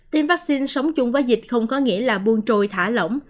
tiêm vaccine sống chung với dịch không có nghĩa là buôn trồi thả lỏng